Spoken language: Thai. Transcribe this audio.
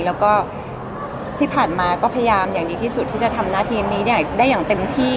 แล้วก็ที่ผ่านมาก็พยายามอย่างดีที่สุดที่จะทำหน้าที่นี้ได้อย่างเต็มที่